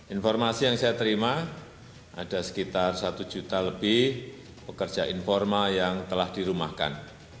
informasi yang saya terima ada sekitar satu juta lebih pekerja informal yang telah dirumahkan